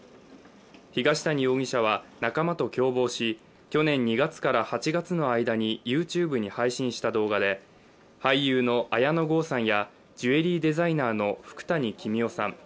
東谷容疑者は、仲間と共謀し去年２月から８月の間にＹｏｕＴｕｂｅに配信した動画で俳優の綾野剛さんやジュエリーデザイナーの福谷公男さん